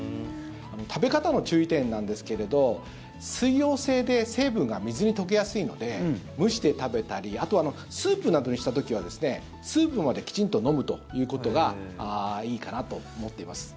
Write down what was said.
食べ方の注意点なんですけれど水溶性で成分が水に溶けやすいので蒸して食べたりあとはスープなどにした時はスープまできちんと飲むということがいいかなと思っています。